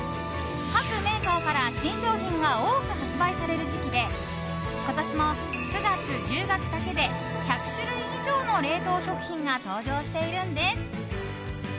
各メーカーから新商品が多く発売される時期で今年も９月、１０月だけで１００種類以上の冷凍食品が登場しているんです。